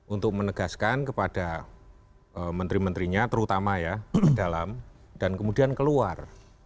untuk menegaskan kepada menteri menterinya terutama ya dalam dan kemudian keluar